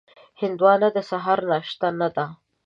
هندوانه د سهار ناشته نه ده.